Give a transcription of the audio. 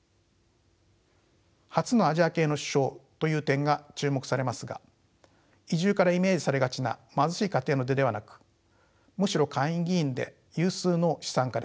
初のアジア系の首相という点が注目されますが移住からイメージされがちな貧しい家庭の出ではなくむしろ下院議員で有数の資産家です。